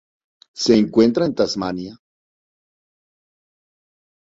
Se encuentra en Tasmania.